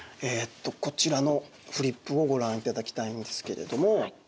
こちらのフリップをご覧いただきたいんですけれども。